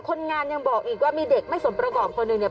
คนงานยังบอกอีกว่ามีเด็กไม่สมประกอบคนหนึ่งเนี่ย